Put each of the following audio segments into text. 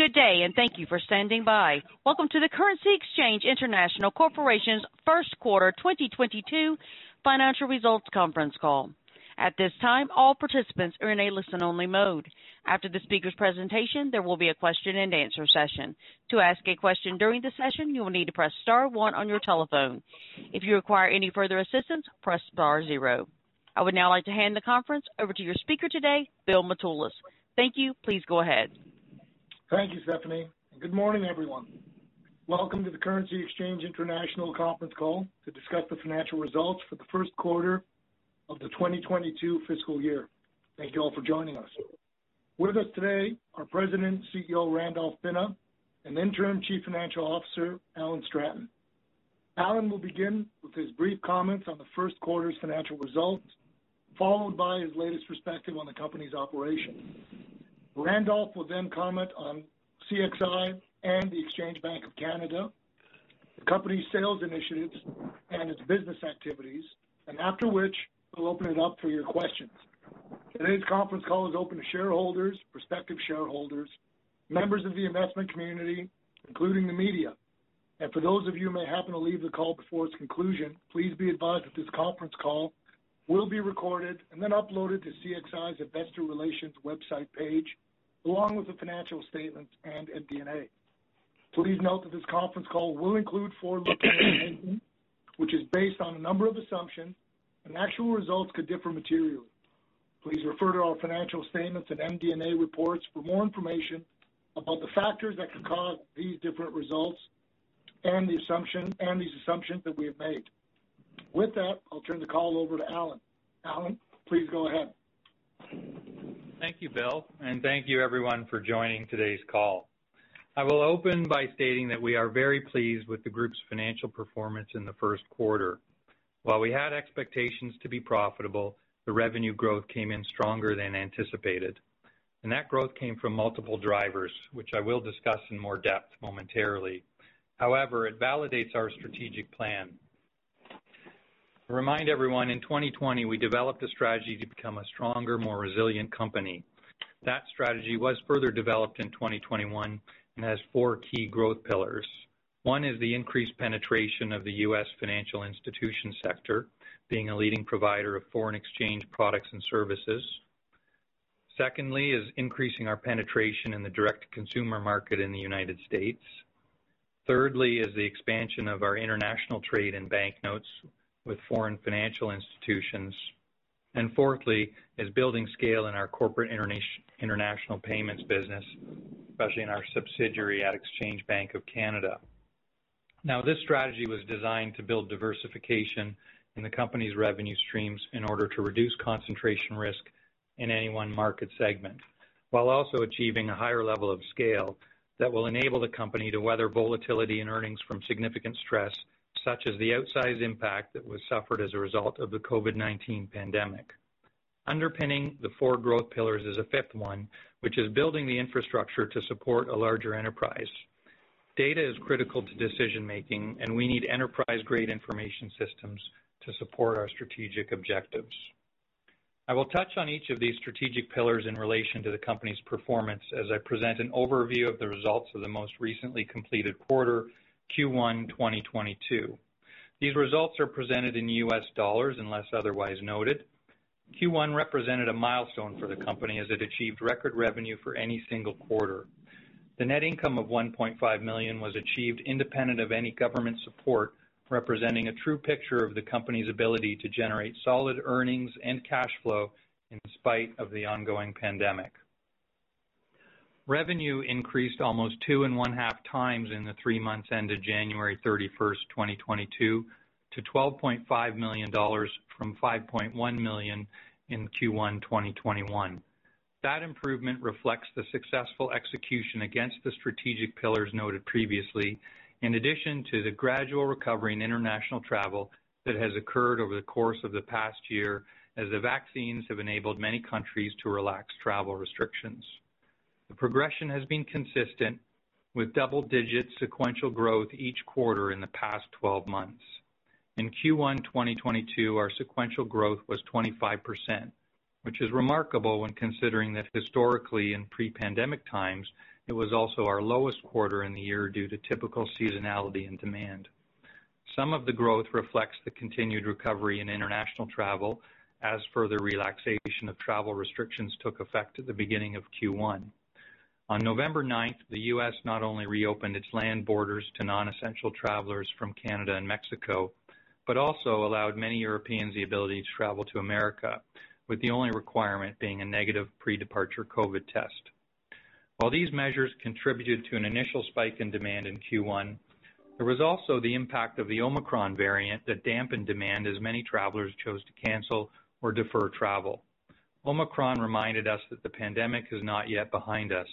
Good day, and thank you for standing by. Welcome to the Currency Exchange International, Corp.'s first quarter 2022 financial results conference call. At this time, all participants are in a listen-only mode. After the speaker's presentation, there will be a question-and-answer session. To ask a question during the session, you will need to press star one on your telephone. If you require any further assistance, press star zero. I would now like to hand the conference over to your speaker today, Bill Mitoulas. Thank you. Please go ahead. Thank you, Stephanie, and good morning, everyone. Welcome to the Currency Exchange International conference call to discuss the financial results for the first quarter of the 2022 fiscal year. Thank you all for joining us. With us today, our President and CEO, Randolph Pinna, and Interim Chief Financial Officer, Alan Stratton. Alan will begin with his brief comments on the first quarter's financial results, followed by his latest perspective on the company's operations. Randolph will then comment on CXI and the Exchange Bank of Canada, the company's sales initiatives and its business activities, after which we'll open it up for your questions. Today's conference call is open to shareholders, prospective shareholders, members of the investment community, including the media. For those of you who may happen to leave the call before its conclusion, please be advised that this conference call will be recorded and then uploaded to CXI's investor relations website page, along with the financial statements and MD&A. Please note that this conference call will include forward-looking information, which is based on a number of assumptions, and actual results could differ materially. Please refer to our financial statements and MD&A reports for more information about the factors that could cause these different results and these assumptions that we have made. With that, I'll turn the call over to Alan. Alan, please go ahead. Thank you, Bill, and thank you everyone for joining today's call. I will open by stating that we are very pleased with the group's financial performance in the first quarter. While we had expectations to be profitable, the revenue growth came in stronger than anticipated. That growth came from multiple drivers, which I will discuss in more depth momentarily. However, it validates our strategic plan. To remind everyone, in 2020, we developed a strategy to become a stronger, more resilient company. That strategy was further developed in 2021 and has four key growth pillars. One is the increased penetration of the US financial institution sector being a leading provider of foreign exchange products and services. Secondly is increasing our penetration in the direct-to-consumer market in the United States. Thirdly is the expansion of our international trade in banknotes with foreign financial institutions. Fourthly is building scale in our corporate international payments business, especially in our subsidiary at Exchange Bank of Canada. Now, this strategy was designed to build diversification in the company's revenue streams in order to reduce concentration risk in any one market segment, while also achieving a higher level of scale that will enable the company to weather volatility and earnings from significant stress, such as the outsized impact that was suffered as a result of the COVID-19 pandemic. Underpinning the four growth pillars is a fifth one, which is building the infrastructure to support a larger enterprise. Data is critical to decision-making, and we need enterprise-grade information systems to support our strategic objectives. I will touch on each of these strategic pillars in relation to the company's performance as I present an overview of the results of the most recently completed quarter, Q1 2022. These results are presented in US dollars unless otherwise noted. Q1 represented a milestone for the company as it achieved record revenue for any single quarter. The net income of $1.5 million was achieved independent of any government support, representing a true picture of the company's ability to generate solid earnings and cash flow in spite of the ongoing pandemic. Revenue increased almost 2.5 times in the three months ended January 31, 2022 to $12.5 million from $5.1 million in Q1 2021. That improvement reflects the successful execution against the strategic pillars noted previously, in addition to the gradual recovery in international travel that has occurred over the course of the past year as the vaccines have enabled many countries to relax travel restrictions. The progression has been consistent with double-digit sequential growth each quarter in the past 12 months. In Q1 2022, our sequential growth was 25%, which is remarkable when considering that historically in pre-pandemic times, it was also our lowest quarter in the year due to typical seasonality and demand. Some of the growth reflects the continued recovery in international travel as further relaxation of travel restrictions took effect at the beginning of Q1. On November 9th, the US not only reopened its land borders to non-essential travelers from Canada and Mexico, but also allowed many Europeans the ability to travel to America, with the only requirement being a negative pre-departure COVID test. While these measures contributed to an initial spike in demand in Q1, there was also the impact of the Omicron variant that dampened demand as many travelers chose to cancel or defer travel. Omicron reminded us that the pandemic is not yet behind us,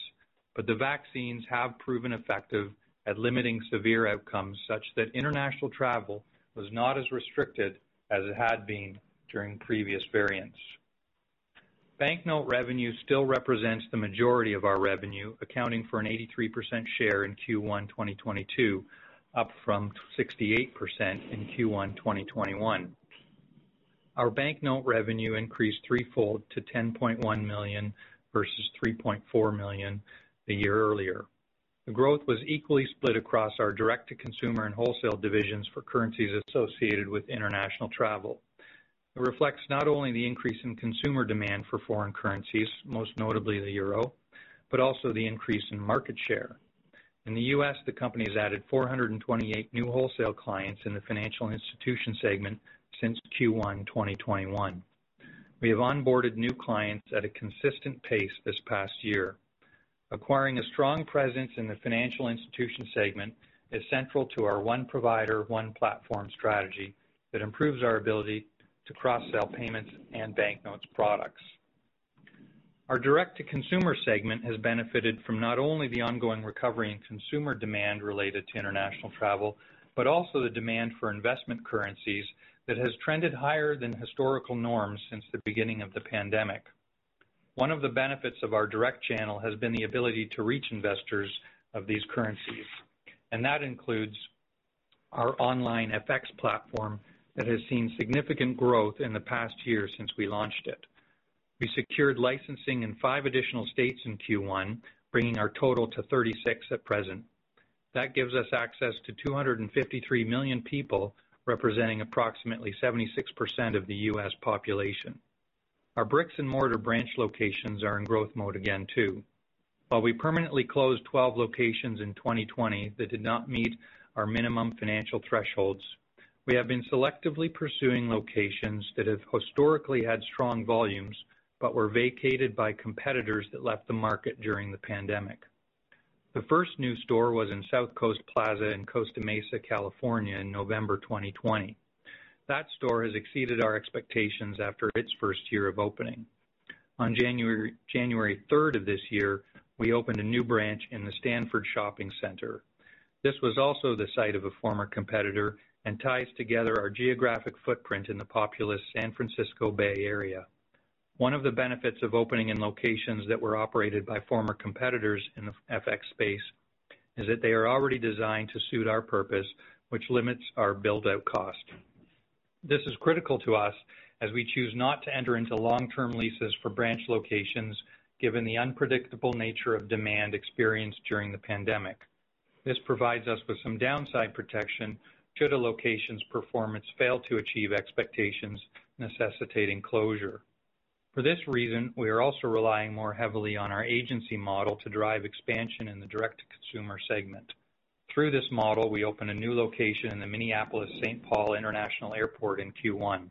but the vaccines have proven effective at limiting severe outcomes such that international travel was not as restricted as it had been during previous variants. Banknote revenue still represents the majority of our revenue, accounting for an 83% share in Q1 2022, up from 68% in Q1 2021. Our banknote revenue increased threefold to $10.1 million versus $3.4 million the year earlier. The growth was equally split across our direct-to-consumer and wholesale divisions for currencies associated with international travel. It reflects not only the increase in consumer demand for foreign currencies, most notably the euro, but also the increase in market share. In the US, the company has added 428 new wholesale clients in the financial institution segment since Q1 2021. We have onboarded new clients at a consistent pace this past year. Acquiring a strong presence in the financial institution segment is central to our one provider-one platform strategy that improves our ability to cross-sell payments and banknotes products. Our direct-to-consumer segment has benefited from not only the ongoing recovery in consumer demand related to international travel, but also the demand for investment currencies that has trended higher than historical norms since the beginning of the pandemic. One of the benefits of our direct channel has been the ability to reach investors of these currencies, and that includes our online FX platform that has seen significant growth in the past year since we launched it. We secured licensing in 5 additional states in Q1, bringing our total to 36 at present. That gives us access to 253 million people, representing approximately 76% of the US population. Our bricks and mortar branch locations are in growth mode again too. While we permanently closed 12 locations in 2020 that did not meet our minimum financial thresholds, we have been selectively pursuing locations that have historically had strong volumes but were vacated by competitors that left the market during the pandemic. The first new store was in South Coast Plaza in Costa Mesa, California, in November 2020. That store has exceeded our expectations after its first year of opening. On January third of this year, we opened a new branch in the Stanford Shopping Center. This was also the site of a former competitor and ties together our geographic footprint in the populous San Francisco Bay Area. One of the benefits of opening in locations that were operated by former competitors in the FX space is that they are already designed to suit our purpose, which limits our build out cost. This is critical to us as we choose not to enter into long-term leases for branch locations given the unpredictable nature of demand experienced during the pandemic. This provides us with some downside protection should a location's performance fail to achieve expectations necessitating closure. For this reason, we are also relying more heavily on our agency model to drive expansion in the direct-to-consumer segment. Through this model, we open a new location in the Minneapolis-Saint Paul International Airport in Q1.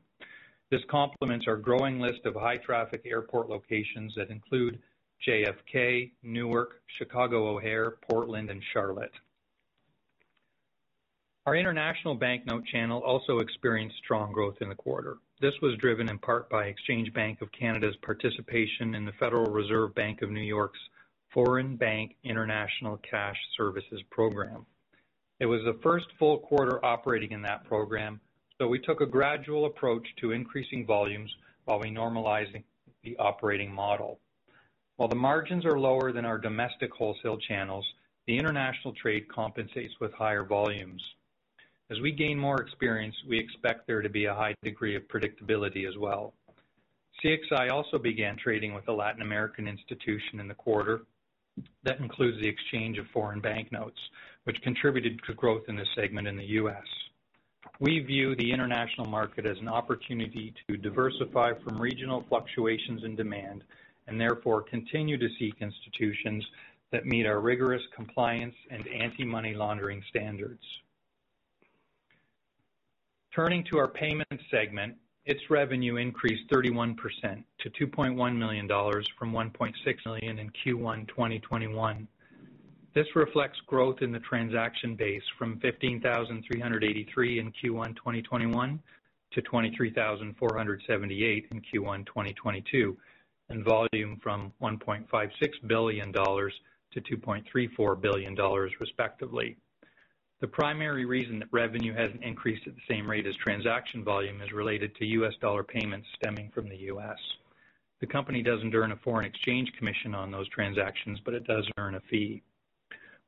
This complements our growing list of high-traffic airport locations that include JFK, Newark, Chicago O'Hare, Portland, and Charlotte. Our international banknote channel also experienced strong growth in the quarter. This was driven in part by Exchange Bank of Canada's participation in the Federal Reserve Bank of New York's Foreign Bank International Cash Services program. It was the first full quarter operating in that program, so we took a gradual approach to increasing volumes while we normalize the operating model. While the margins are lower than our domestic wholesale channels, the international trade compensates with higher volumes. As we gain more experience, we expect there to be a high degree of predictability as well. CXI also began trading with a Latin American institution in the quarter. That includes the exchange of foreign banknotes, which contributed to growth in this segment in the US We view the international market as an opportunity to diversify from regional fluctuations in demand and therefore continue to seek institutions that meet our rigorous compliance and anti-money laundering standards. Turning to our payment segment, its revenue increased 31% to $2.1 million from $1.6 million in Q1 2021. This reflects growth in the transaction base from 15,383 in Q1 2021 to 23,478 in Q1 2022, and volume from $1.56 billion to $2.34 billion, respectively. The primary reason that revenue hasn't increased at the same rate as transaction volume is related to US dollar payments stemming from the US The company doesn't earn a foreign exchange commission on those transactions, but it does earn a fee.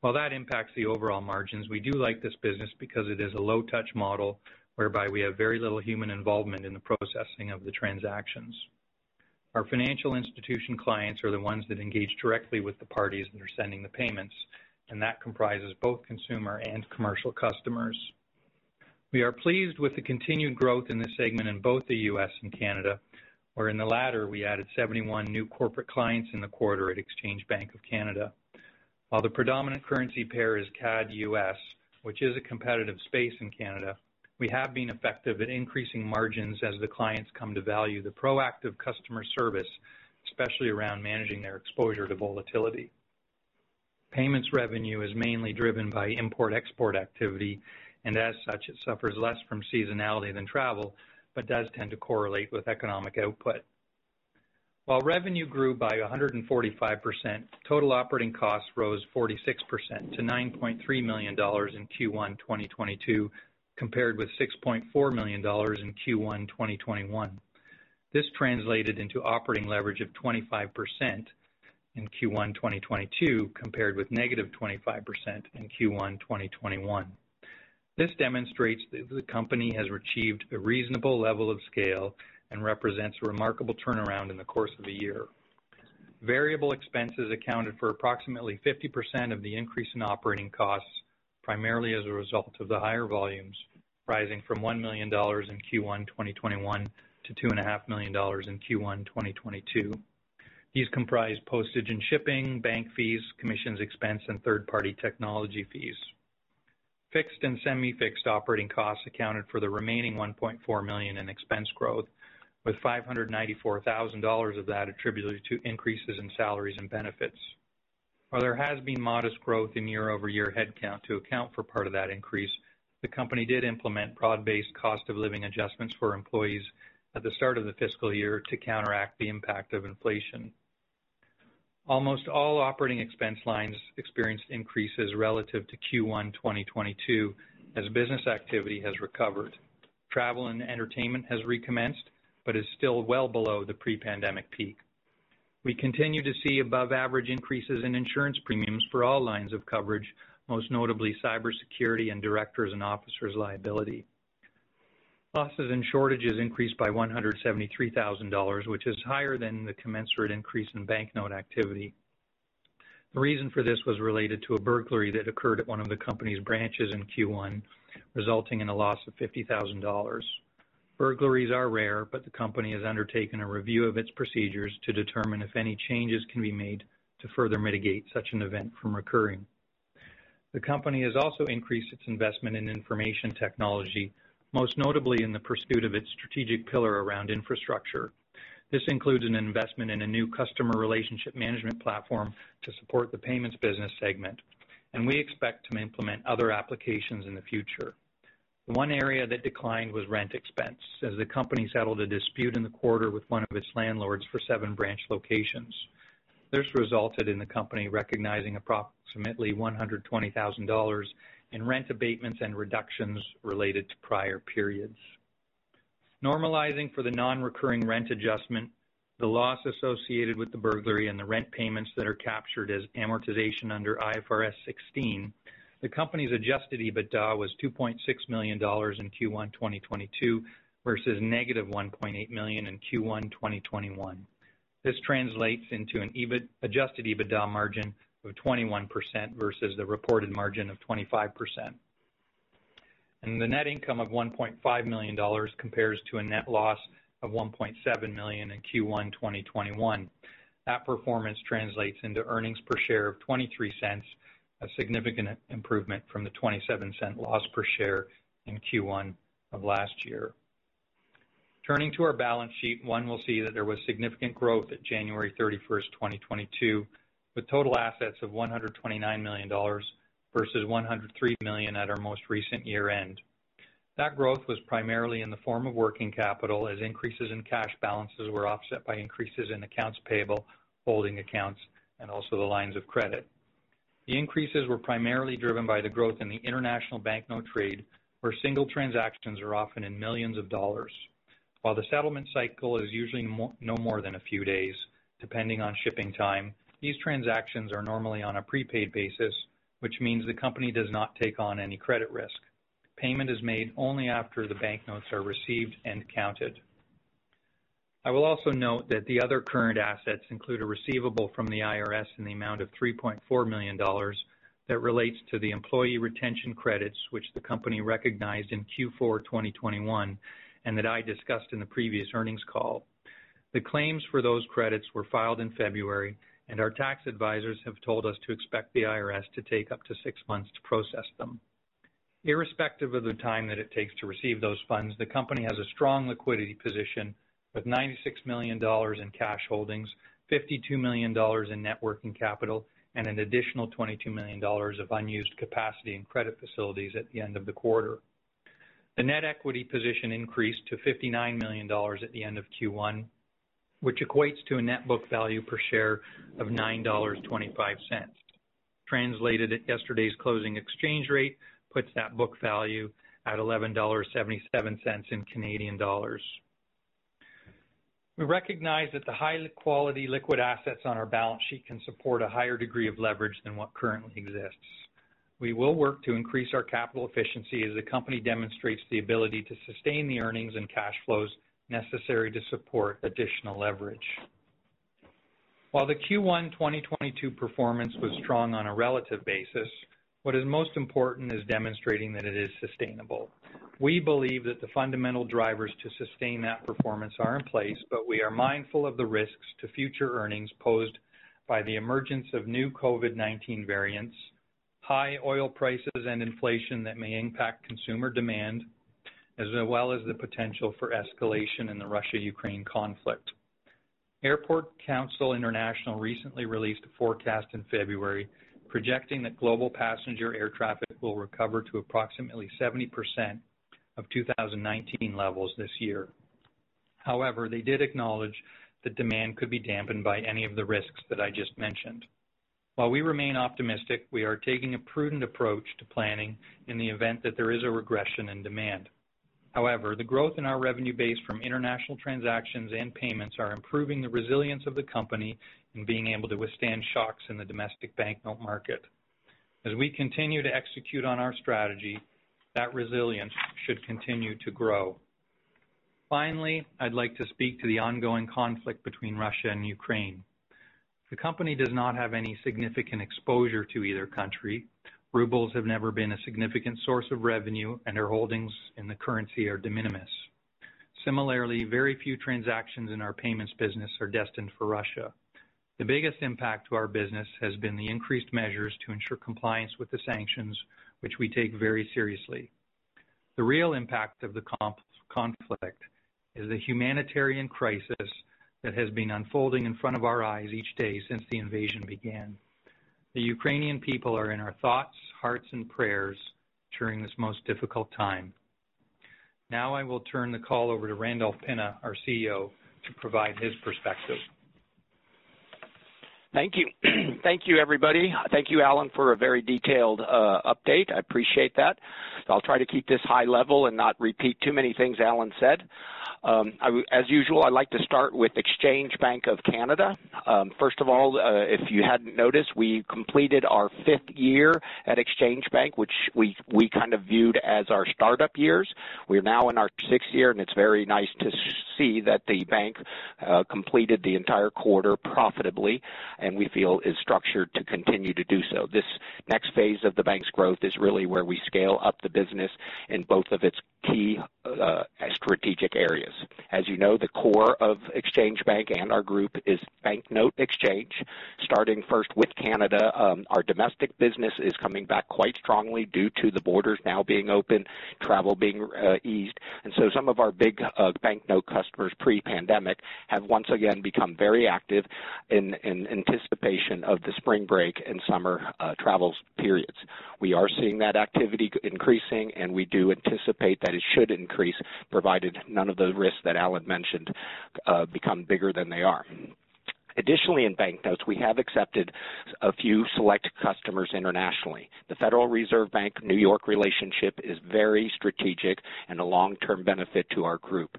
While that impacts the overall margins, we do like this business because it is a low touch model whereby we have very little human involvement in the processing of the transactions. Our financial institution clients are the ones that engage directly with the parties that are sending the payments, and that comprises both consumer and commercial customers. We are pleased with the continued growth in this segment in both the US and Canada, where in the latter we added 71 new corporate clients in the quarter at Exchange Bank of Canada. While the predominant currency pair is CAD-US, which is a competitive space in Canada, we have been effective at increasing margins as the clients come to value the proactive customer service, especially around managing their exposure to volatility. Payments revenue is mainly driven by import/export activity, and as such, it suffers less from seasonality than travel, but does tend to correlate with economic output. While revenue grew by 145%, total operating costs rose 46% to $9.3 million in Q1 2022 compared with $6.4 million in Q1 2021. This translated into operating leverage of 25% in Q1 2022 compared with -25% in Q1 2021. This demonstrates that the company has achieved a reasonable level of scale and represents a remarkable turnaround in the course of the year. Variable expenses accounted for approximately 50% of the increase in operating costs, primarily as a result of the higher volumes rising from $1 million in Q1 2021 to $2.5 million in Q1 2022. These comprise postage and shipping, bank fees, commissions expense, and third-party technology fees. Fixed and semi-fixed operating costs accounted for the remaining $1.4 million in expense growth, with $594,000 of that attributed to increases in salaries and benefits. While there has been modest growth in year-over-year head count to account for part of that increase, the company did implement broad-based cost of living adjustments for employees at the start of the fiscal year to counteract the impact of inflation. Almost all operating expense lines experienced increases relative to Q1 2022 as business activity has recovered. Travel and entertainment has recommenced but is still well below the pre-pandemic peak. We continue to see above average increases in insurance premiums for all lines of coverage, most notably cybersecurity and directors and officers' liability. Losses and shortages increased by $173,000, which is higher than the commensurate increase in banknote activity. The reason for this was related to a burglary that occurred at one of the company's branches in Q1, resulting in a loss of $50,000. Burglaries are rare, but the company has undertaken a review of its procedures to determine if any changes can be made to further mitigate such an event from occurring. The company has also increased its investment in information technology, most notably in the pursuit of its strategic pillar around infrastructure. This includes an investment in a new customer relationship management platform to support the payments business segment, and we expect to implement other applications in the future. The one area that declined was rent expense, as the company settled a dispute in the quarter with one of its landlords for seven branch locations. This resulted in the company recognizing approximately $120,000 in rent abatements and reductions related to prior periods. Normalizing for the non-recurring rent adjustment, the loss associated with the burglary and the rent payments that are captured as amortization under IFRS 16, the company's adjusted EBITDA was $2.6 million in Q1 2022 versus -$1.8 million in Q1 2021. This translates into an EBITDA-adjusted EBITDA margin of 21% versus the reported margin of 25%. The net income of $1.5 million compares to a net loss of $1.7 million in Q1 2021. That performance translates into earnings per share of $0.23, a significant improvement from the $0.27 loss per share in Q1 of last year. Turning to our balance sheet, one will see that there was significant growth at January 31, 2022, with total assets of $129 million versus $103 million at our most recent year-end. That growth was primarily in the form of working capital, as increases in cash balances were offset by increases in accounts payable, holding accounts, and also the lines of credit. The increases were primarily driven by the growth in the international banknote trade, where single transactions are often in millions of dollars. While the settlement cycle is usually no more than a few days, depending on shipping time, these transactions are normally on a prepaid basis, which means the company does not take on any credit risk. Payment is made only after the banknotes are received and counted. I will also note that the other current assets include a receivable from the IRS in the amount of $3.4 million that relates to the Employee Retention Credit, which the company recognized in Q4 2021, and that I discussed in the previous earnings call. The claims for those credits were filed in February, and our tax advisors have told us to expect the IRS to take up to six months to process them. Irrespective of the time that it takes to receive those funds, the company has a strong liquidity position with $96 million in cash holdings, $52 million in net working capital, and an additional $22 million of unused capacity in credit facilities at the end of the quarter. The net equity position increased to $59 million at the end of Q1, which equates to a net book value per share of $9.25. Translated at yesterday's closing exchange rate puts that book value at 11.77 dollars in Canadian dollars. We recognize that the high quality liquid assets on our balance sheet can support a higher degree of leverage than what currently exists. We will work to increase our capital efficiency as the company demonstrates the ability to sustain the earnings and cash flows necessary to support additional leverage. While the Q1 2022 performance was strong on a relative basis, what is most important is demonstrating that it is sustainable. We believe that the fundamental drivers to sustain that performance are in place, but we are mindful of the risks to future earnings posed by the emergence of new COVID-19 variants, high oil prices and inflation that may impact consumer demand, as well as the potential for escalation in the Russia-Ukraine conflict. Airports Council International recently released a forecast in February projecting that global passenger air traffic will recover to approximately 70% of 2019 levels this year. However, they did acknowledge that demand could be dampened by any of the risks that I just mentioned. While we remain optimistic, we are taking a prudent approach to planning in the event that there is a regression in demand. However, the growth in our revenue base from international transactions and payments are improving the resilience of the company in being able to withstand shocks in the domestic banknote market. As we continue to execute on our strategy, that resilience should continue to grow. Finally, I'd like to speak to the ongoing conflict between Russia and Ukraine. The company does not have any significant exposure to either country. Rubles have never been a significant source of revenue, and our holdings in the currency are de minimis. Similarly, very few transactions in our payments business are destined for Russia. The biggest impact to our business has been the increased measures to ensure compliance with the sanctions, which we take very seriously. The real impact of the conflict is the humanitarian crisis that has been unfolding in front of our eyes each day since the invasion began. The Ukrainian people are in our thoughts, hearts, and prayers during this most difficult time. Now I will turn the call over to Randolph Pinna, our CEO, to provide his perspective. Thank you. Thank you, everybody. Thank you, Alan, for a very detailed update. I appreciate that. I'll try to keep this high level and not repeat too many things Alan said. As usual, I'd like to start with Exchange Bank of Canada. First of all, if you hadn't noticed, we completed our fifth year at Exchange Bank, which we kind of viewed as our startup years. We're now in our sixth year, and it's very nice to see that the bank completed the entire quarter profitably, and we feel is structured to continue to do so. This next phase of the bank's growth is really where we scale up the business in both of its key strategic areas. As you know, the core of Exchange Bank and our group is banknote exchange. Starting first with Canada, our domestic business is coming back quite strongly due to the borders now being open, travel being eased. Some of our big banknote customers pre-pandemic have once again become very active in anticipation of the spring break and summer travel periods. We are seeing that activity increasing, and we do anticipate that it should increase, provided none of the risks that Alan Stratton mentioned become bigger than they are. Additionally, in banknotes, we have accepted a few select customers internationally. The Federal Reserve Bank of New York relationship is very strategic and a long-term benefit to our group.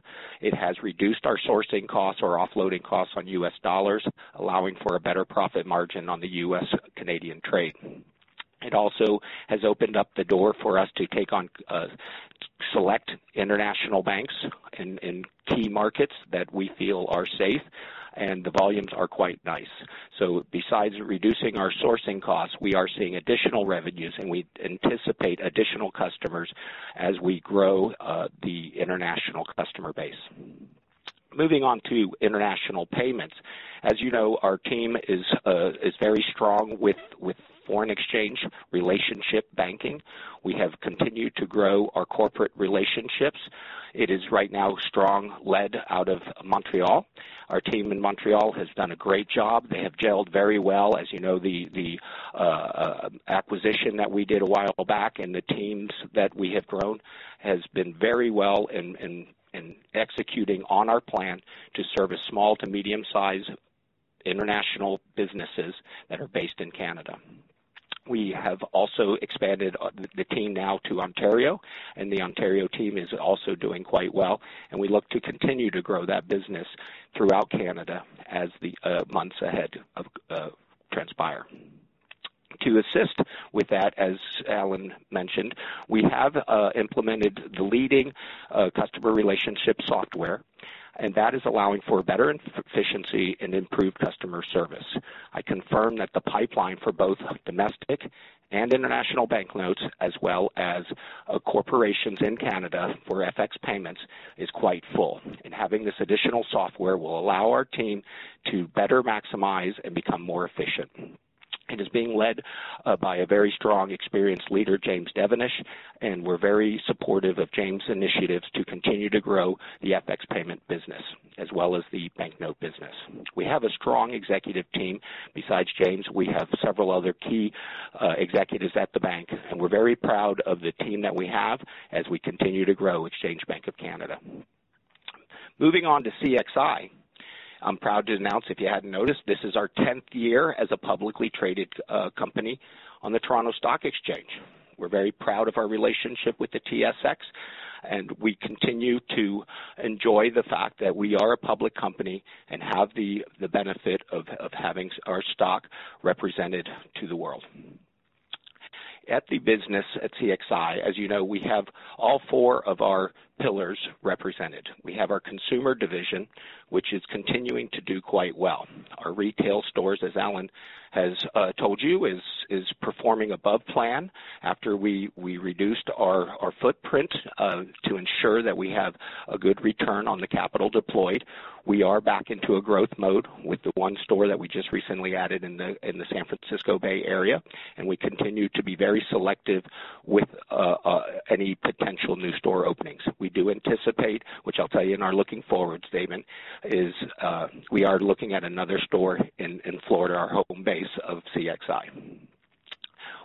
It has reduced our sourcing costs or offloading costs on US dollars, allowing for a better profit margin on the US-Canadian trade. It also has opened up the door for us to take on select international banks in key markets that we feel are safe, and the volumes are quite nice. Besides reducing our sourcing costs, we are seeing additional revenues, and we anticipate additional customers as we grow the international customer base. Moving on to international payments. As you know, our team is very strong with foreign exchange relationship banking. We have continued to grow our corporate relationships. It is right now strongly led out of Montreal. Our team in Montreal has done a great job. They have gelled very well. As you know, the acquisition that we did a while back and the teams that we have grown has been very well in executing on our plan to service small to medium-size international businesses that are based in Canada. We have also expanded the team now to Ontario, and the Ontario team is also doing quite well, and we look to continue to grow that business throughout Canada as the months ahead transpire. To assist with that, as Alan mentioned, we have implemented the leading customer relationship software, and that is allowing for better efficiency and improved customer service. I confirm that the pipeline for both domestic and international banknotes, as well as corporations in Canada for FX payments is quite full, and having this additional software will allow our team to better maximize and become more efficient. It is being led by a very strong, experienced leader, James Devenish, and we're very supportive of James' initiatives to continue to grow the FX payment business as well as the banknote business. We have a strong executive team. Besides James, we have several other key executives at the bank, and we're very proud of the team that we have as we continue to grow Exchange Bank of Canada. Moving on to CXI. I'm proud to announce, if you hadn't noticed, this is our tenth year as a publicly traded company on the Toronto Stock Exchange. We're very proud of our relationship with the TSX, and we continue to enjoy the fact that we are a public company and have the benefit of having our stock represented to the world. At the business at CXI, as you know, we have all four of our pillars represented. We have our consumer division, which is continuing to do quite well. Our retail stores, as Alan has told you, is performing above plan. After we reduced our footprint to ensure that we have a good return on the capital deployed. We are back into a growth mode with the one store that we just recently added in the San Francisco Bay Area, and we continue to be very selective with any potential new store openings. We do anticipate, which I'll tell you in our looking forward statement, is we are looking at another store in Florida, our home base of CXI.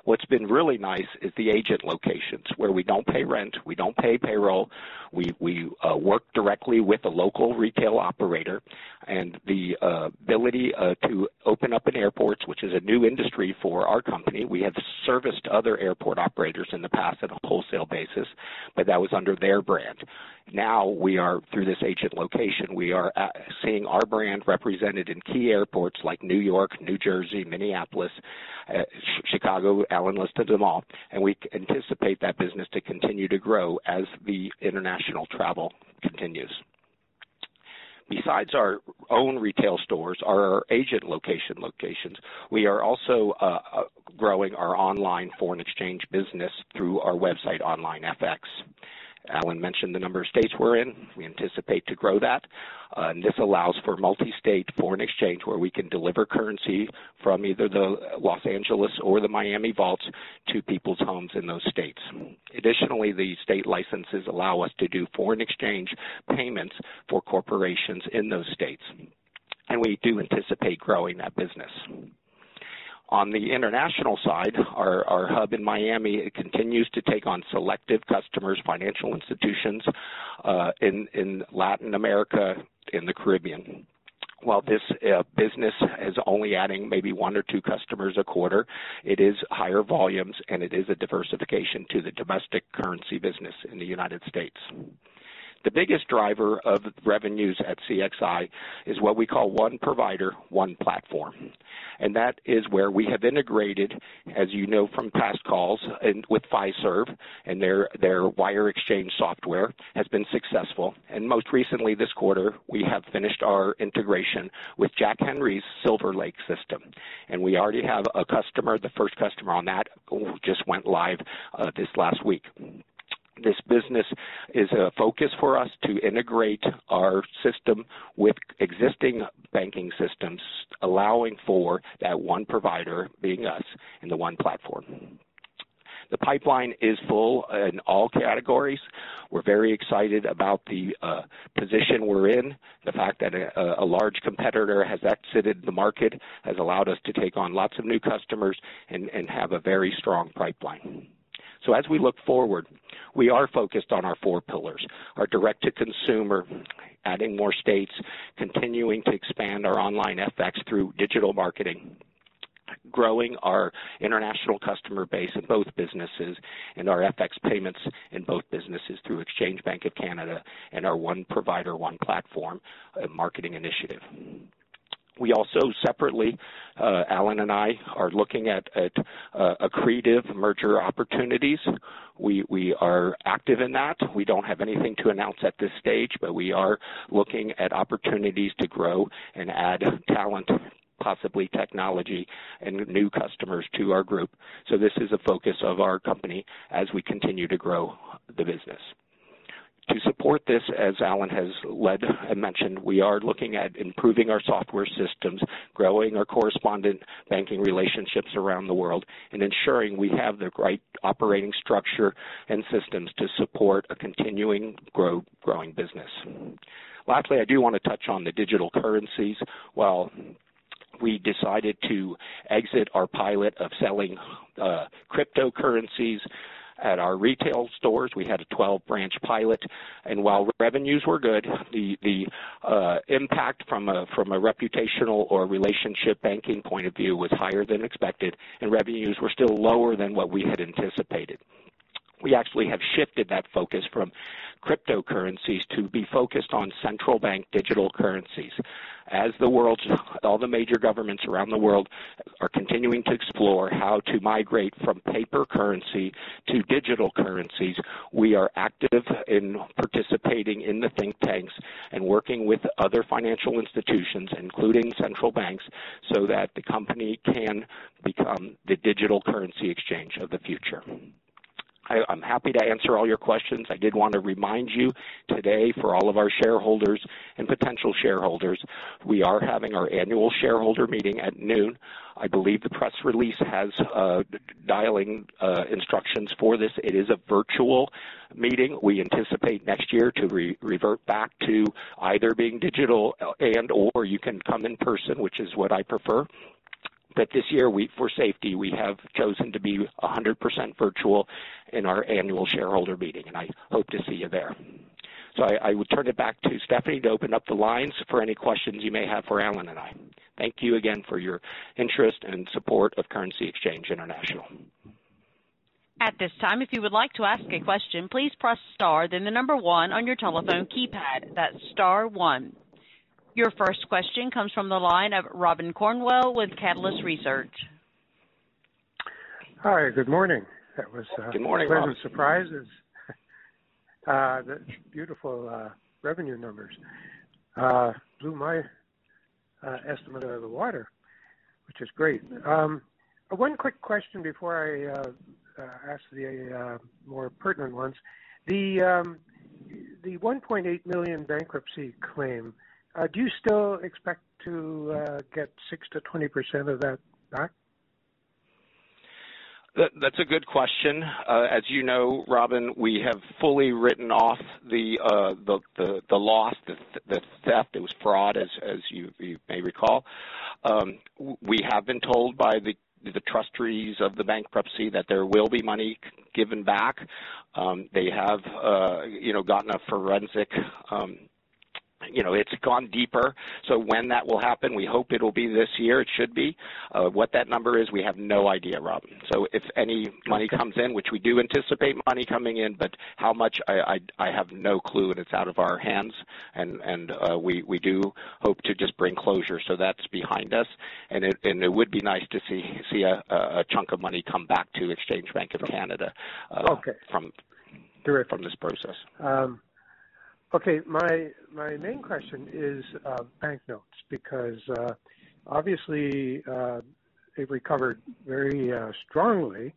What's been really nice is the agent locations where we don't pay rent, we don't pay payroll. We work directly with the local retail operator and the ability to open up in airports, which is a new industry for our company. We have serviced other airport operators in the past at a wholesale basis, but that was under their brand. Now we are through this agent location, we are seeing our brand represented in key airports like New York, New Jersey, Minneapolis, Chicago. Alan listed them all, and we anticipate that business to continue to grow as the international travel continues. Besides our own retail stores, our agent locations, we are also growing our online foreign exchange business through our website, OnlineFX. Alan mentioned the number of states we're in. We anticipate to grow that. This allows for multi-state foreign exchange where we can deliver currency from either the Los Angeles or the Miami vaults to people's homes in those states. Additionally, the state licenses allow us to do foreign exchange payments for corporations in those states, and we do anticipate growing that business. On the international side, our hub in Miami continues to take on selective customers, financial institutions, in Latin America, in the Caribbean. While this business is only adding maybe one or two customers a quarter, it is higher volumes and it is a diversification to the domestic currency business in the United States. The biggest driver of revenues at CXI is what we call one provider-one platform. That is where we have integrated, as you know from past calls and with Fiserv and their WireXchange software has been successful. Most recently this quarter we have finished our integration with Jack Henry & Associates' SilverLake System. We already have a customer. The first customer on that just went live this last week. This business is a focus for us to integrate our system with existing banking systems, allowing for that one provider being us in the one platform. The pipeline is full in all categories. We're very excited about the position we're in. The fact that a large competitor has exited the market has allowed us to take on lots of new customers and have a very strong pipeline. As we look forward, we are focused on our four pillars, our direct to consumer, adding more states, continuing to expand our Online FX through digital marketing, growing our international customer base in both businesses and our FX payments in both businesses through Exchange Bank of Canada and our one provider, one platform marketing initiative. We also separately, Alan and I are looking at accretive merger opportunities. We are active in that. We don't have anything to announce at this stage, but we are looking at opportunities to grow and add talent, possibly technology and new customers to our group. This is a focus of our company as we continue to grow the business. To support this, as Alan has led and mentioned, we are looking at improving our software systems, growing our correspondent banking relationships around the world, and ensuring we have the right operating structure and systems to support a continuing growing business. Lastly, I do want to touch on the digital currencies. While we decided to exit our pilot of selling cryptocurrencies at our retail stores, we had a 12-branch pilot. While revenues were good, the impact from a reputational or relationship banking point of view was higher than expected, and revenues were still lower than what we had anticipated. We actually have shifted that focus from cryptocurrencies to be focused on central bank digital currencies. As all the major governments around the world are continuing to explore how to migrate from paper currency to digital currencies. We are active in participating in the think tanks and working with other financial institutions, including central banks, so that the company can become the digital currency exchange of the future. I'm happy to answer all your questions. I did want to remind you today for all of our shareholders and potential shareholders, we are having our annual shareholder meeting at noon. I believe the press release has dialing instructions for this. It is a virtual meeting. We anticipate next year to revert back to either being digital and or you can come in person, which is what I prefer. This year for safety we have chosen to be 100% virtual in our annual shareholder meeting, and I hope to see you there. I will turn it back to Stephanie to open up the lines for any questions you may have for Alan and I. Thank you again for your interest and support of Currency Exchange International. At this time, if you would like to ask a question, please press star then the number one on your telephone keypad. That's star one. Your first question comes from the line of Robin Cornwell with Catalyst Equity Research. Hi. Good morning. Good morning, Robin. A pleasant surprise, as the beautiful revenue numbers blew my estimate out of the water, which is great. One quick question before I ask the more pertinent ones. The $1.8 million bankruptcy claim, do you still expect to get 6%-20% of that back? That's a good question. As you know, Robin, we have fully written off the loss, the theft. It was fraud, as you may recall. We have been told by the trustees of the bankruptcy that there will be money given back. They have, you know, gotten a forensic, you know, it's gone deeper. When that will happen, we hope it'll be this year. It should be. What that number is, we have no idea, Robin. If any money comes in, which we do anticipate money coming in, but how much I have no clue and it's out of our hands. We do hope to just bring closure so that's behind us. It would be nice to see a chunk of money come back to Exchange Bank of Canada. Okay. -uh, from- Great from this process. Okay, my main question is banknotes because obviously it recovered very strongly.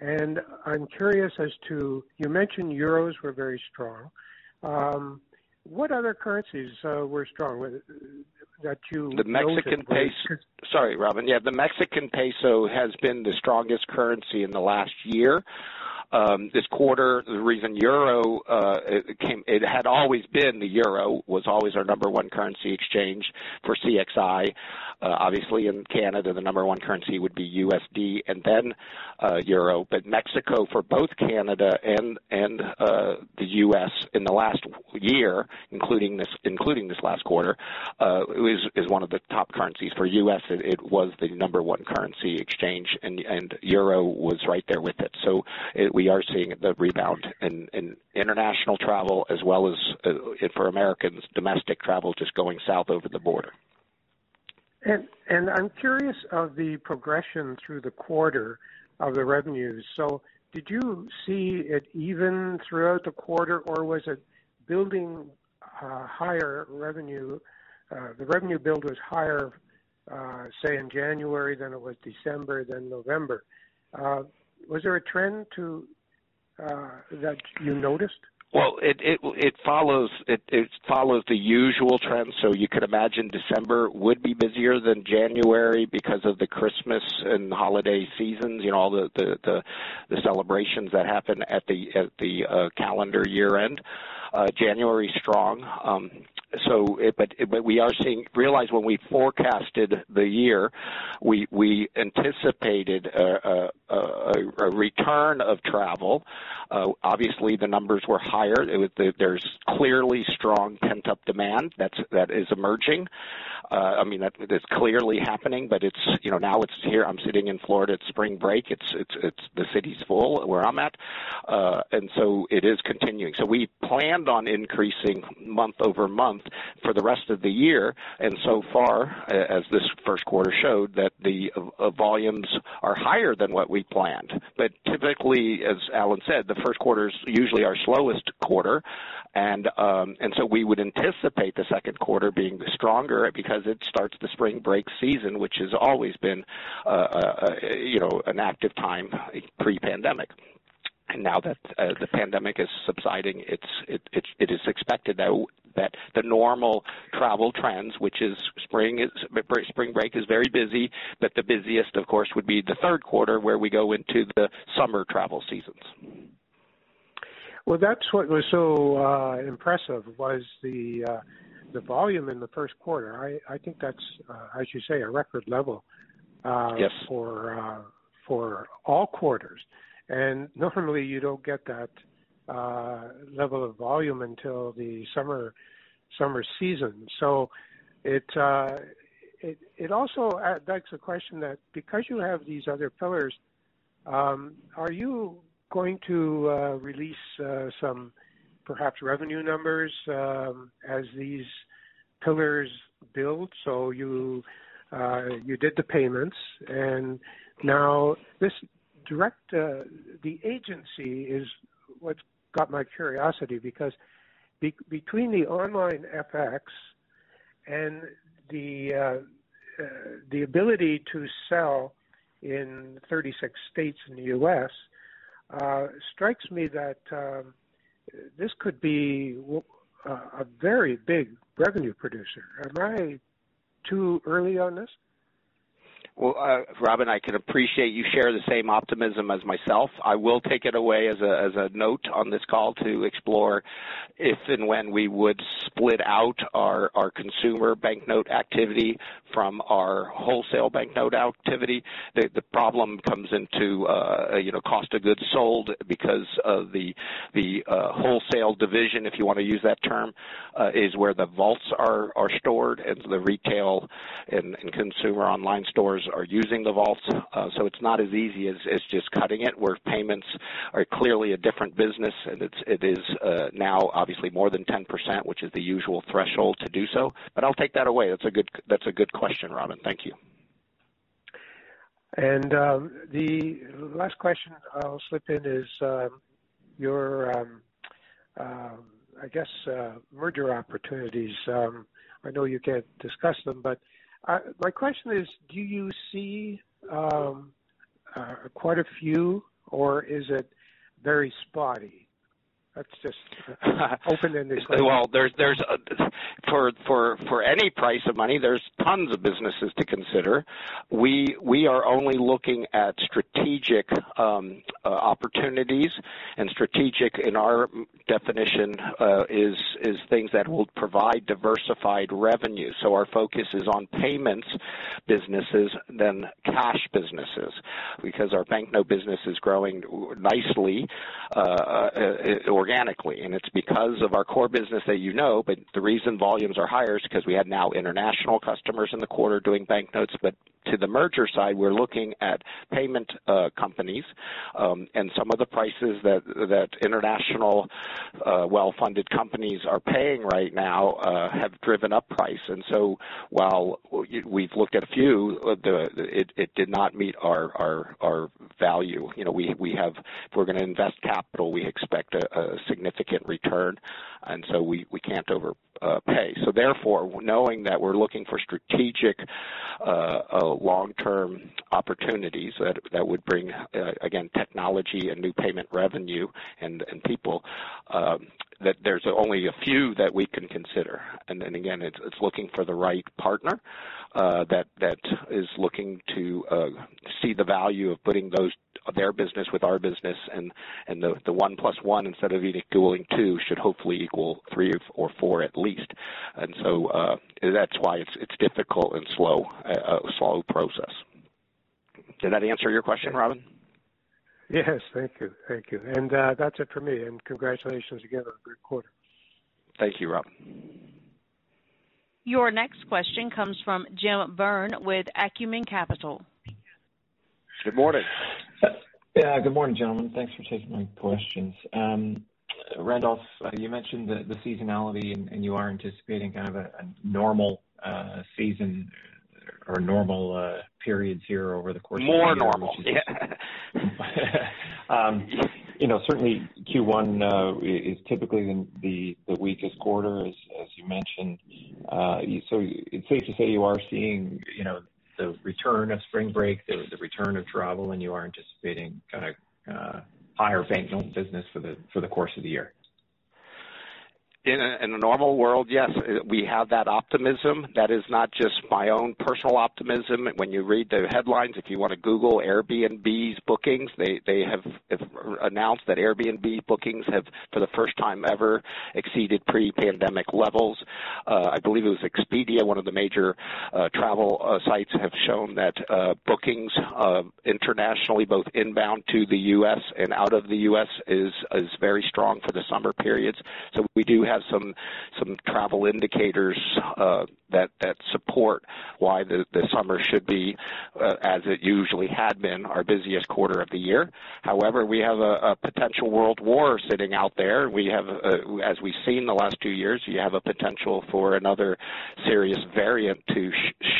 I'm curious as to you mentioned euros were very strong. What other currencies were strong that you noted were- The Mexican peso. Sorry, Robin. Yeah, the Mexican peso has been the strongest currency in the last year. This quarter, the euro was always our number one currency exchange for CXI. Obviously in Canada, the number one currency would be USD and then euro. But Mexico for both Canada and the US in the last year, including this last quarter, is one of the top currencies. For US, it was the number one currency exchange, and euro was right there with it. We are seeing the rebound in international travel as well as for Americans, domestic travel just going south over the border. I'm curious of the progression through the quarter of the revenues. Did you see it even throughout the quarter, or was it building higher revenue? The revenue build was higher, say in January than it was December than November. Was there a trend to that you noticed? Well, it follows the usual trend. You could imagine December would be busier than January because of the Christmas and holiday seasons. You know, all the celebrations that happen at the calendar year end. January is strong. But we are seeing. We realize when we forecasted the year, we anticipated a return of travel. Obviously the numbers were higher. There's clearly strong pent-up demand that is emerging. I mean, that's clearly happening, but it's, you know, now it's here. I'm sitting in Florida at spring break. It's the city is full where I'm at. It is continuing. We planned on increasing month-over-month for the rest of the year. So far, as this first quarter showed, the volumes are higher than what we planned. Typically, as Alan said, the first quarter is usually our slowest quarter. We would anticipate the second quarter being the stronger because it starts the spring break season, which has always been, you know, an active time pre-pandemic. Now that the pandemic is subsiding, it is expected that the normal travel trends, which is spring break is very busy. The busiest, of course, would be the third quarter, where we go into the summer travel seasons. Well, that's what was so impressive was the volume in the first quarter. I think that's, as you say, a record level. Yes For all quarters. Normally you don't get that level of volume until the summer season. It also begs the question that because you have these other pillars, are you going to release some perhaps revenue numbers as these pillars build? You did the payments. Now this direct agency is what's got my curiosity because between the online FX and the ability to sell in 36 states in the US, it strikes me that this could be a very big revenue producer. Am I too early on this? Well, Robin, I can appreciate you share the same optimism as myself. I will take it away as a note on this call to explore if and when we would split out our consumer banknote activity from our wholesale banknote activity. The problem comes into, you know, cost of goods sold because of the wholesale division, if you want to use that term, is where the vaults are stored and the retail and consumer online stores are using the vaults. So it's not as easy as just cutting it where payments are clearly a different business. It is now obviously more than 10%, which is the usual threshold to do so. I'll take that away. That's a good question, Robin. Thank you. The last question I'll slip in is, I guess, your merger opportunities. I know you can't discuss them, but my question is, do you see quite a few, or is it very spotty? That's just an open-ended question. Well, for any price of money, there's tons of businesses to consider. We are only looking at strategic opportunities. Strategic in our definition is things that will provide diversified revenue. Our focus is on payments businesses than cash businesses because our banknote business is growing nicely organically, and it's because of our core business that you know. The reason volumes are higher is because we have now international customers in the quarter doing banknotes. To the merger side, we're looking at payment companies, and some of the prices that international well-funded companies are paying right now have driven up price. While we've looked at a few, it did not meet our value. You know, if we're gonna invest capital, we expect a significant return, and so we can't overpay. Therefore, knowing that we're looking for strategic long-term opportunities that would bring again technology and new payment revenue and people, that there's only a few that we can consider. Again, it's looking for the right partner that is looking to see the value of putting their business with our business. The one plus one instead of equaling two should hopefully equal three or four at least. That's why it's difficult and slow process. Did that answer your question, Robin? Yes. Thank you. That's it for me. Congratulations again on a great quarter. Thank you, Rob. Your next question comes from Jim Byrne with Acumen Capital. Good morning. Yeah. Good morning, gentlemen. Thanks for taking my questions. Randolph, you mentioned the seasonality, and you are anticipating kind of a normal season or normal periods here over the course of the year. More normal. You know, certainly Q1 is typically the weakest quarter as you mentioned. It's safe to say you are seeing, you know, the return of spring break, the return of travel, and you are anticipating kind of higher banknote business for the course of the year. In a normal world, yes, we have that optimism. That is not just my own personal optimism. When you read the headlines, if you want to google Airbnb's bookings, they have announced that Airbnb bookings have, for the first time ever, exceeded pre-pandemic levels. I believe it was Expedia, one of the major travel sites, have shown that bookings internationally, both inbound to the US and out of the US is very strong for the summer periods. So we do have some travel indicators that support why the summer should be as it usually had been our busiest quarter of the year. However, we have a potential world war sitting out there. We have, as we've seen the last two years, you have a potential for another serious variant to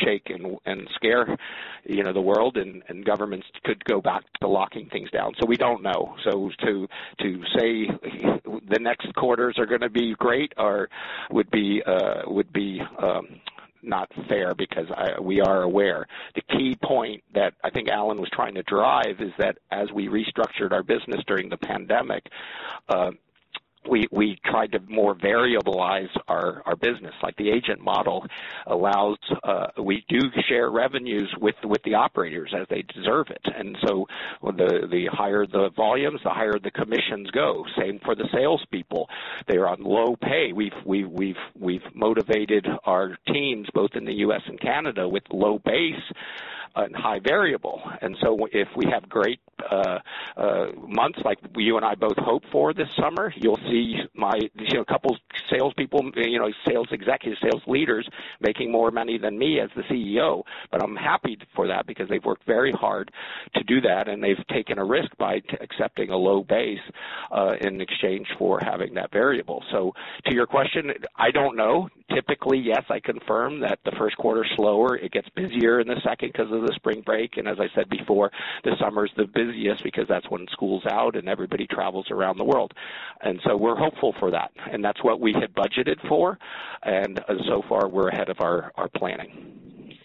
shake and scare, you know, the world, and governments could go back to locking things down. We don't know. To say the next quarters are gonna be great would be not fair because we are aware. The key point that I think Alan was trying to drive is that as we restructured our business during the pandemic, we tried to more variabilize our business. Like the agent model allows, we do share revenues with the operators as they deserve it. The higher the volumes, the higher the commissions go. Same for the salespeople. They're on low pay. We've motivated our teams both in the US and Canada with low base and high variable. If we have great months like you and I both hope for this summer, you'll see a, you know, couple salespeople, you know, sales executives, sales leaders making more money than me as the CEO. I'm happy for that because they've worked very hard to do that, and they've taken a risk by accepting a low base in exchange for having that variable. To your question, I don't know. Typically, yes, I confirm that the first quarter's slower. It gets busier in the second 'cause of the spring break. As I said before, the summer's the busiest because that's when school's out and everybody travels around the world. We're hopeful for that. That's what we had budgeted for. Far, we're ahead of our planning.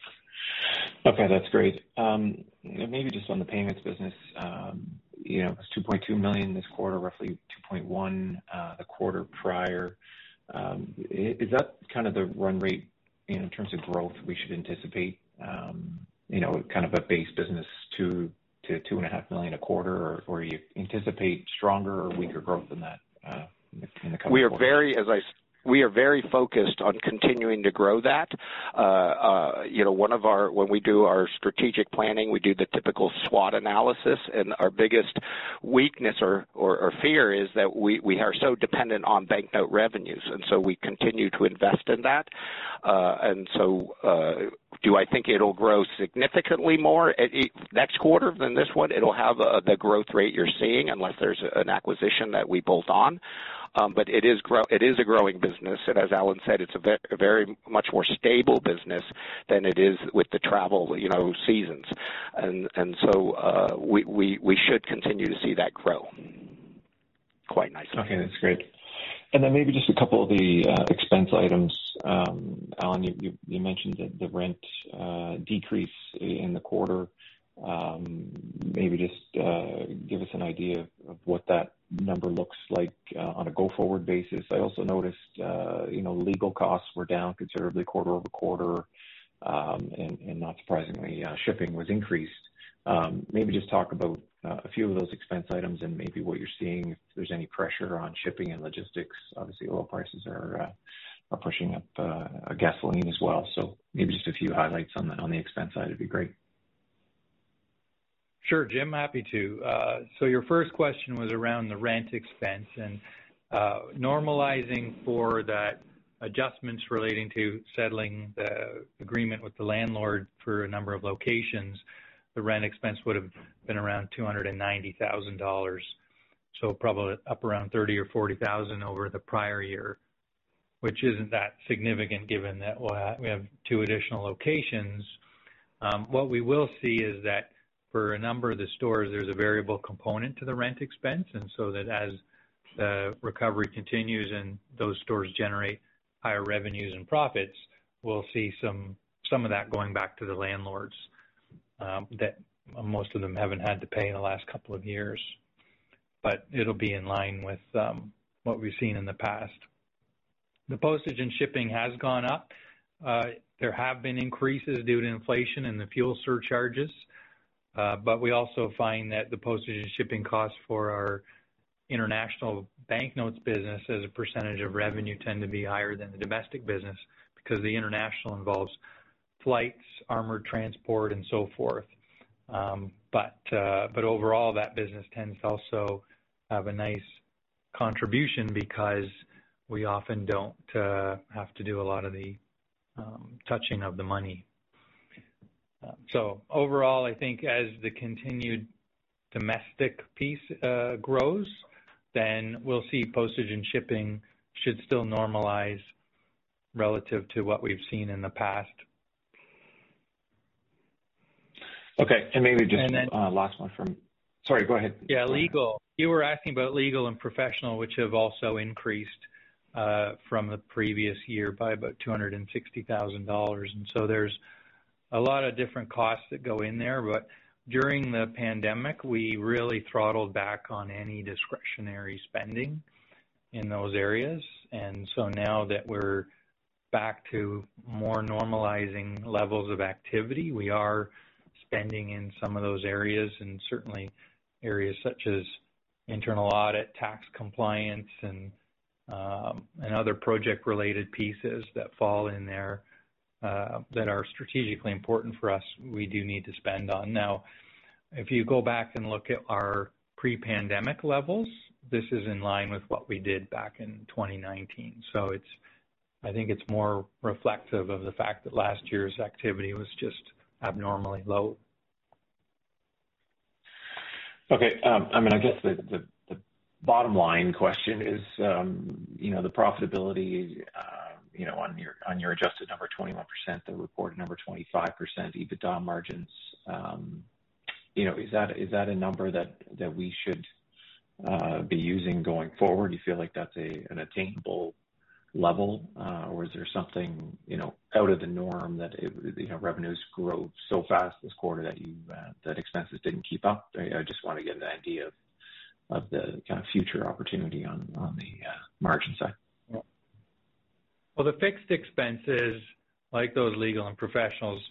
Okay, that's great. Maybe just on the payments business, you know, it was $2.2 million this quarter, roughly $2.1 million, the quarter prior. Is that kind of the run rate in terms of growth we should anticipate, you know, kind of a base business $2 million-$2.5 million a quarter, or you anticipate stronger or weaker growth than that, in the coming quarters? We are very focused on continuing to grow that. You know, when we do our strategic planning, we do the typical SWOT analysis. Our biggest weakness or fear is that we are so dependent on banknote revenues, and so we continue to invest in that. Do I think it'll grow significantly more next quarter than this one? It'll have the growth rate you're seeing unless there's an acquisition that we bolt on. But it is a growing business. As Alan said, it's very much more stable business than it is with the travel, you know, seasons. We should continue to see that grow quite nicely. Okay, that's great. Then maybe just a couple of the expense items. Alan, you mentioned the rent decrease in the quarter. Maybe just give us an idea of what that number looks like on a go-forward basis. I also noticed you know, legal costs were down considerably quarter-over-quarter, and not surprisingly, shipping was increased. Maybe just talk about a few of those expense items and maybe what you're seeing, if there's any pressure on shipping and logistics. Obviously, oil prices are pushing up gasoline as well. Maybe just a few highlights on the expense side would be great. Sure, Jim, happy to. So your first question was around the rent expense and normalizing for that adjustments relating to settling the agreement with the landlord for a number of locations, the rent expense would have been around $290,000, so probably up around $30,000 or $40,000 over the prior year, which isn't that significant given that we have 2 additional locations. What we will see is that for a number of the stores, there's a variable component to the rent expense, and so that as the recovery continues and those stores generate higher revenues and profits, we'll see some of that going back to the landlords that most of them haven't had to pay in the last couple of years. It'll be in line with what we've seen in the past. The postage and shipping has gone up. There have been increases due to inflation and the fuel surcharges, but we also find that the postage and shipping costs for our international banknotes business as a percentage of revenue tend to be higher than the domestic business because the international involves flights, armored transport, and so forth. Overall, that business tends to also have a nice contribution because we often don't have to do a lot of the touching of the money. Overall, I think as the continued domestic piece grows, then we'll see postage and shipping should still normalize relative to what we've seen in the past. Okay. And then- Last one for me. Sorry, go ahead. Yeah, legal. You were asking about legal and professional, which have also increased from the previous year by about 260 thousand dollars. There's a lot of different costs that go in there. During the pandemic, we really throttled back on any discretionary spending in those areas. Now that we're back to more normalizing levels of activity, we are spending in some of those areas, and certainly areas such as internal audit, tax compliance, and other project-related pieces that fall in there, that are strategically important for us, we do need to spend on. Now, if you go back and look at our pre-pandemic levels, this is in line with what we did back in 2019. It's. I think it's more reflective of the fact that last year's activity was just abnormally low. Okay. I mean, I guess the bottom line question is, you know, the profitability, you know, on your adjusted number, 21%, the reported number, 25% EBITDA margins, you know, is that a number that we should be using going forward? Do you feel like that's an attainable level, or is there something, you know, out of the norm that revenues grow so fast this quarter that expenses didn't keep up? I just wanna get an idea of the kind of future opportunity on the margin side. Well, the fixed expenses, like those legal and professionals,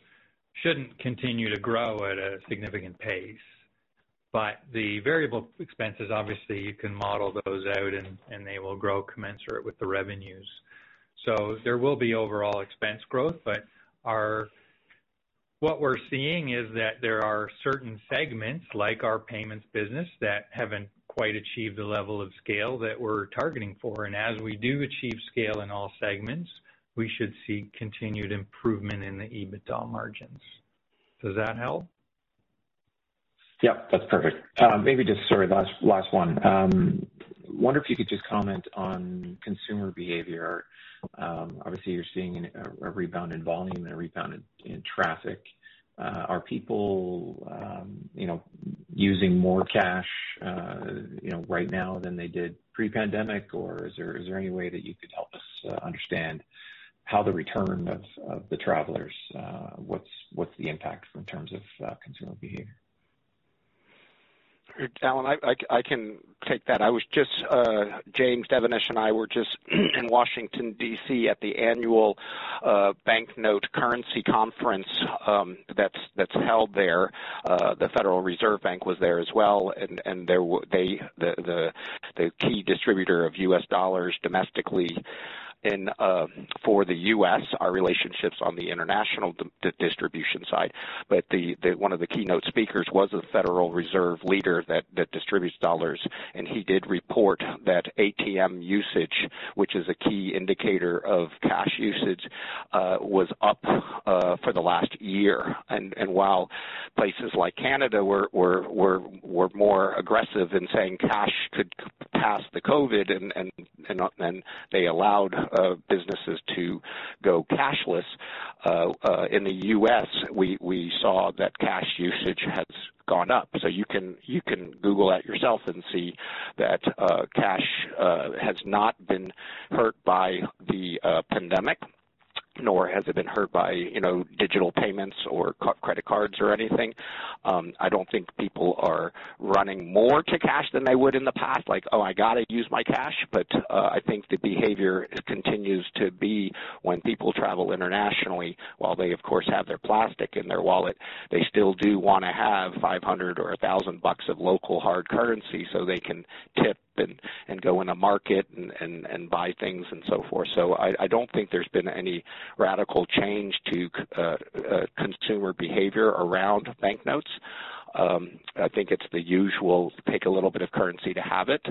shouldn't continue to grow at a significant pace. The variable expenses, obviously, you can model those out and they will grow commensurate with the revenues. There will be overall expense growth, but what we're seeing is that there are certain segments, like our payments business, that haven't quite achieved the level of scale that we're targeting for. As we do achieve scale in all segments, we should see continued improvement in the EBITDA margins. Does that help? Yep, that's perfect. Maybe just, sorry, last one. Wonder if you could just comment on consumer behavior. Obviously, you're seeing a rebound in volume and a rebound in traffic. Are people, you know, using more cash, you know, right now than they did pre-pandemic? Or is there any way that you could help us understand how the return of the travelers, what's the impact in terms of consumer behavior? Alan, I can take that. I was just James Devenish and I were just in Washington, D.C. at the annual banknote currency conference that's held there. The Federal Reserve Bank was there as well, and they the key distributor of US dollars domestically and for the US, our relationships on the international distribution side. But one of the keynote speakers was a Federal Reserve leader that distributes dollars, and he did report that ATM usage, which is a key indicator of cash usage, was up for the last year. While places like Canada were more aggressive in saying cash could pass the COVID and they allowed businesses to go cashless, in the US, we saw that cash usage has gone up. You can Google that yourself and see that cash has not been hurt by the pandemic. Nor has it been hurt by, you know, digital payments or credit cards or anything. I don't think people are running more to cash than they would in the past, like, "Oh, I gotta use my cash." I think the behavior continues to be when people travel internationally while they, of course, have their plastic in their wallet, they still do wanna have $500 or $1,000 of local hard currency so they can tip and go in a market and buy things and so forth. I don't think there's been any radical change to consumer behavior around banknotes. I think it's the usual take a little bit of currency to have it.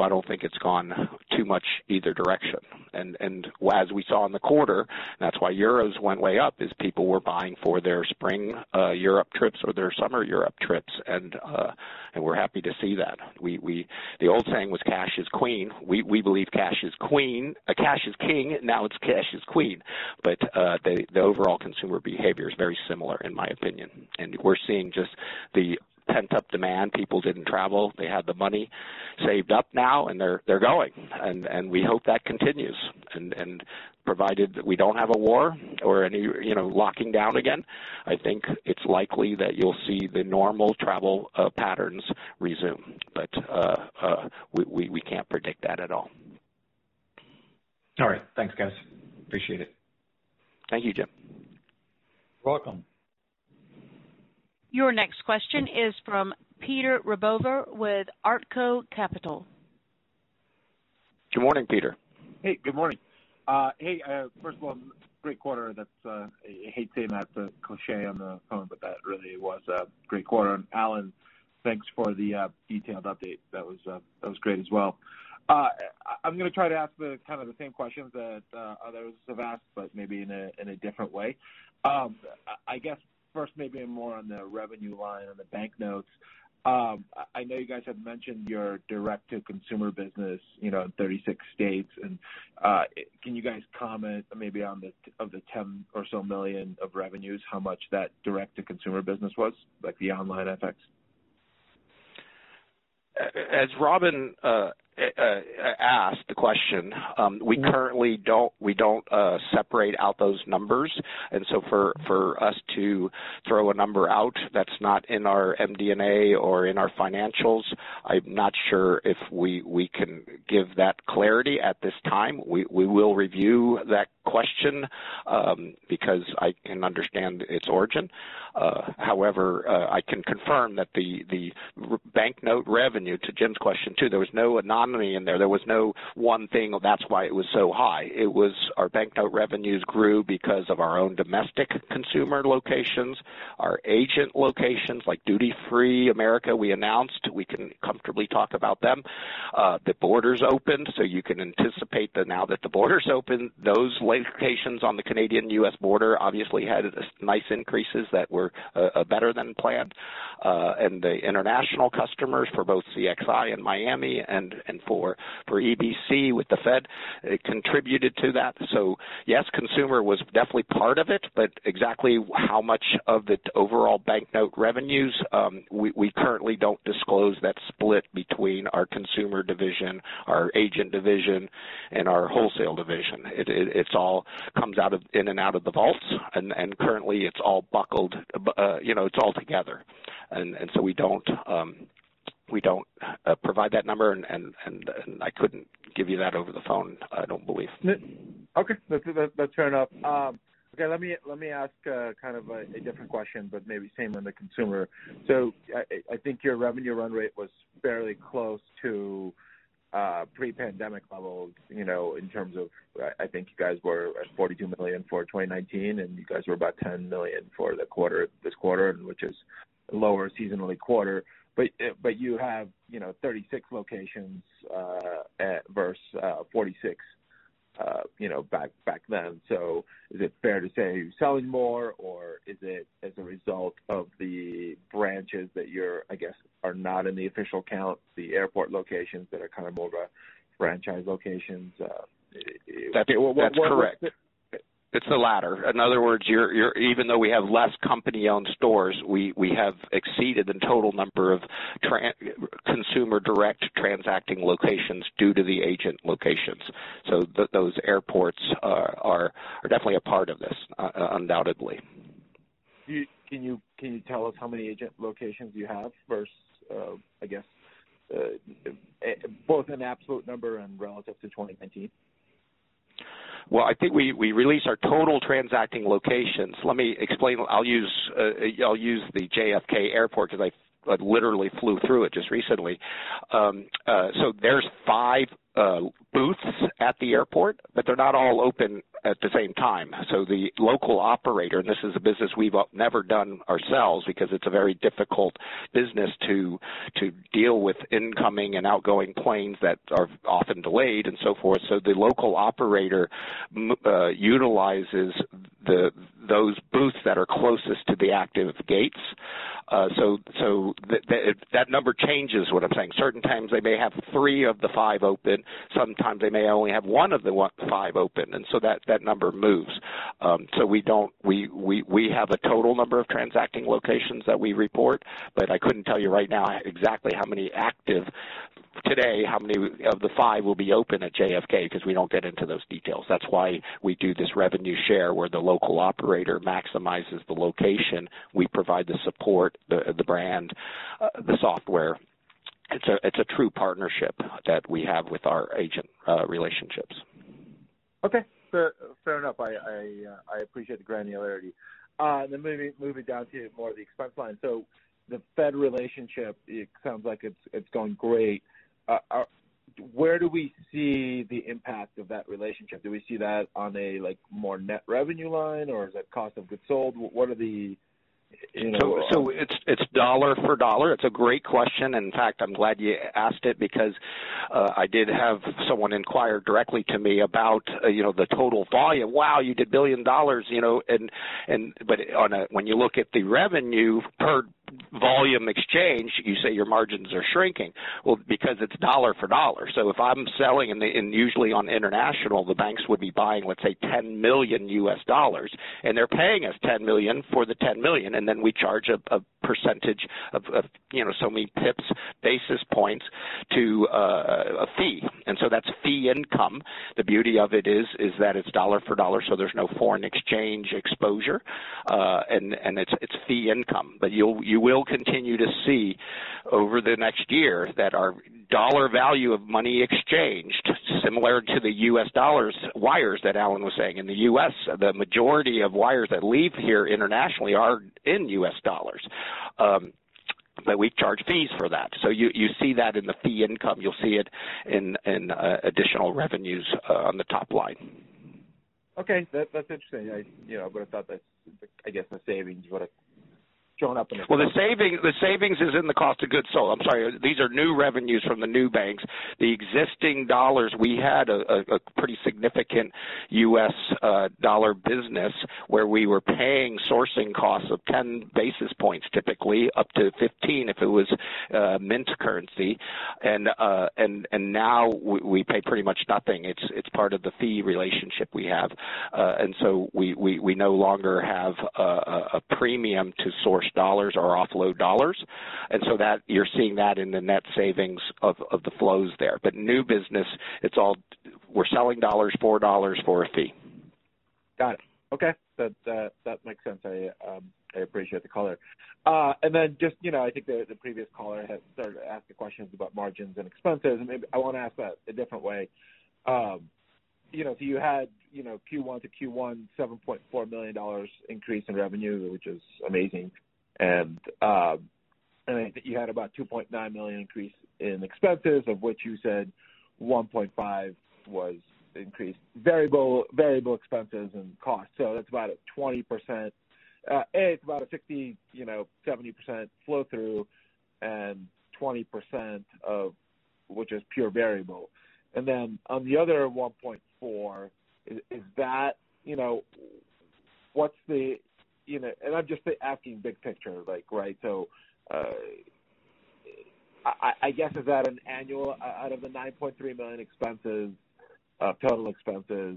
I don't think it's gone too much either direction. As we saw in the quarter, that's why euros went way up, is people were buying for their spring Europe trips or their summer Europe trips. We're happy to see that. The old saying was cash is queen. We believe cash is queen. Cash is king. Now, it's cash is queen. The overall consumer behavior is very similar, in my opinion. We're seeing just the pent-up demand. People didn't travel. They had the money saved up now, and they're going. We hope that continues. Provided that we don't have a war or any, you know, locking down again, I think it's likely that you'll see the normal travel patterns resume. We can't predict that at all. All right. Thanks, guys. Appreciate it. Thank you, Jim. Welcome. Your next question is from Peter Rabover with Artko Capital. Good morning, Peter. Hey, good morning. First of all, great quarter. That's, I hate to say that's a cliché on the phone, but that really was a great quarter. Alan, thanks for the detailed update. That was great as well. I'm gonna try to ask kind of the same questions that others have asked, but maybe in a different way. I guess first maybe more on the revenue line on the banknotes. I know you guys have mentioned your direct-to-consumer business, you know, in 36 states. Can you guys comment maybe on the $10 million or so of revenues, how much that direct-to-consumer business was, like the OnlineFX? As Robin asked the question, we currently don't separate out those numbers. For us to throw a number out that's not in our MD&A or in our financials, I'm not sure if we can give that clarity at this time. We will review that question, because I can understand its origin. However, I can confirm that the our banknote revenue, to Jim's question, too, there was no anomaly in there. There was no one thing, oh, that's why it was so high. It was our banknote revenues grew because of our own domestic consumer locations, our agent locations like Duty Free Americas we announced, we can comfortably talk about them. The borders opened, so you can anticipate that now that the borders opened, those locations on the Canadian-US border obviously had nice increases that were better than planned. The international customers for both CXI and Miami and for EBC with the Fed contributed to that. Yes, consumer was definitely part of it, but exactly how much of the overall banknote revenues we currently don't disclose that split between our consumer division, our agent division, and our wholesale division. It all comes in and out of the vaults. Currently it's all bundled, you know, it's all together. I couldn't give you that over the phone, I don't believe. Okay. That's fair enough. Okay, let me ask kind of a different question, but maybe same on the consumer. I think your revenue run rate was fairly close to pre-pandemic levels, you know, in terms of I think you guys were at $42 million for 2019, and you guys were about $10 million for the quarter, this quarter, which is a lower seasonal quarter. You have, you know, 36 locations versus 46, you know, back then. Is it fair to say you're selling more, or is it as a result of the branches that you're, I guess, are not in the official count, the airport locations that are kind of more the franchise locations? What That's correct. It's the latter. In other words, even though we have less company-owned stores, we have exceeded the total number of consumer direct transacting locations due to the agent locations. Those airports are definitely a part of this, undoubtedly. Can you tell us how many agent locations you have versus, I guess, both an absolute number and relative to 2019? Well, I think we released our total transacting locations. Let me explain. I'll use the JFK Airport because I literally flew through it just recently. There's five booths at the airport, but they're not all open at the same time. The local operator, and this is a business we've never done ourselves because it's a very difficult business to deal with incoming and outgoing planes that are often delayed and so forth. The local operator utilizes those booths that are closest to the active gates. That number changes what I'm saying. Certain times they may have three of the five open, sometimes they may only have one of the five open. That number moves. We don't... We have a total number of transacting locations that we report, but I couldn't tell you right now exactly how many active today, how many of the five will be open at JFK because we don't get into those details. That's why we do this revenue share where the local operator maximizes the location. We provide the support, the brand, the software. It's a true partnership that we have with our agent relationships. Okay. Fair enough. I appreciate the granularity. Moving down to more of the expense line. The Fed relationship, it sounds like it's going great. Where do we see the impact of that relationship? Do we see that on a like more net revenue line, or is it cost of goods sold? What are the, you know. It's dollar for dollar. It's a great question. In fact, I'm glad you asked it because I did have someone inquire directly to me about, you know, the total volume. Wow, you did $1 billion, you know, but when you look at the revenue per volume exchange, you say your margins are shrinking. Well, because it's dollar for dollar. If I'm selling, usually on international the banks would be buying, let's say $10 million, and they're paying us $10 million for the $10 million, and then we charge a percentage of, you know, so many pips basis points to a fee. That's fee income. The beauty of it is that it's dollar for dollar, so there's no foreign exchange exposure, and it's fee income. But you'll... You will continue to see over the next year that our dollar value of money exchanged, similar to the US dollars wires that Alan was saying. In the US, the majority of wires that leave here internationally are in US dollars, but we charge fees for that. You see that in the fee income. You'll see it in additional revenues on the top line. Okay. That's interesting. You know, I would have thought that's, I guess the savings would have shown up in the- Well, the savings is in the cost of goods sold. I'm sorry. These are new revenues from the new banks. The existing dollars, we had a pretty significant US dollar business where we were paying sourcing costs of 10 basis points, typically up to 15 if it was mint currency. Now we pay pretty much nothing. It's part of the fee relationship we have. We no longer have a premium to source dollars or offload dollars. You're seeing that in the net savings of the flows there. New business, it's all we're selling dollars for dollars for a fee. Got it. Okay. That makes sense. I appreciate the color. Then just, you know, I think the previous caller had started to ask the questions about margins and expenses, and maybe I want to ask that a different way. You know, you had Q1 to Q1 $7.4 million increase in revenue, which is amazing. I think you had about $2.9 million increase in expenses, of which you said $1.5 was increased variable expenses and costs. That's about a 20%. It's about a 60-70% flow through and 20% of which is pure variable. Then on the other $1.4, is that, you know, what's the. I'm just asking big picture, like, right. I guess, is that an annual, out of the $9.3 million expenses, total expenses.